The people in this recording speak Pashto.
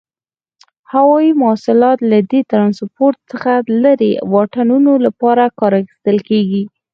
هوایي مواصلات له دې ترانسپورت څخه لري واټنونو لپاره کار اخیستل کیږي.